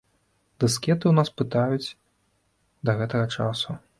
Дыскеты ў нас пытаюць да гэтага часу.